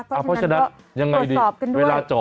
เพราะฉะนั้นก็กดสอบกันด้วย